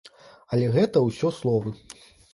Але гэта ўсё словы.